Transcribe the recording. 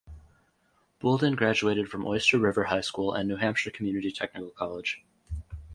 Bouldin graduated from Oyster River High School and New Hampshire Community Technical College.